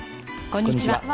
こんにちは。